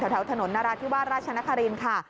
แถวถนนนราธิวาสราชนครินทร์ค่ะ